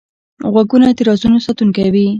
غوږونه د رازونو ساتونکی وي